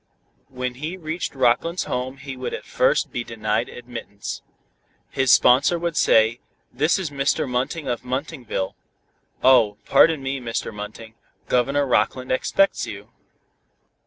When he reached Rockland's home he would at first be denied admittance. His sponsor would say, "this is Mr. Munting of Muntingville." "Oh, pardon me, Mr. Munting, Governor Rockland expects you."